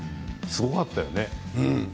すごかったよね。